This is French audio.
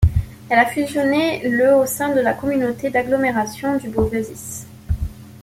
Elle a fusionné le au sein de la communauté d'agglomération du Beauvaisis.